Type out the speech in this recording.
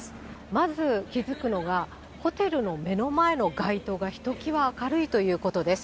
まず気付くのが、ホテルの目の前の街灯がひときわ明るいということです。